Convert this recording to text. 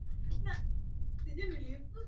Lugha kuitwa; ulugha, lafidhi watia denge,